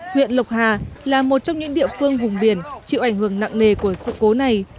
huyện lộc hà là một trong những địa phương vùng biển chịu ảnh hưởng nặng nề của sự cố này